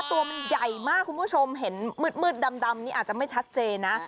ตัวมันใหญ่มากคุณผู้ชมเห็นมืดดำนี่อาจจะไม่ชัดเจนนะ